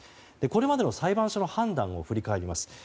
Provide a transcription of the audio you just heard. これまでの裁判所の判断を振り返ります。